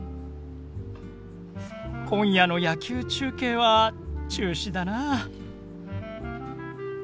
今夜の野球中継は中止だな。